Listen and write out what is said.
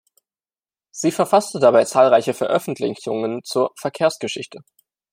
Sie verfasste dabei zahlreiche Veröffentlichungen zur Verkehrsgeschichte.